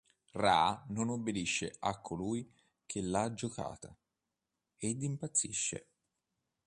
Ra non obbedisce a colui che l'ha giocata, ed impazzisce.